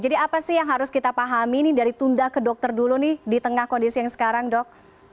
jadi apa sih yang harus kita pahami dari tunda ke dokter dulu di tengah kondisi yang sekarang dok